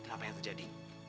apa yang terjadi